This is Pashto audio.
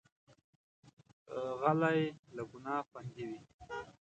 غلی، له ګناه خوندي وي.